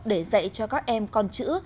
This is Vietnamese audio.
để dạy cho các em con chữ